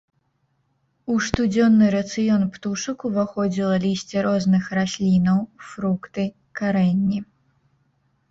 У штодзённы рацыён птушак уваходзіла лісце розных раслінаў, фрукты, карэнні.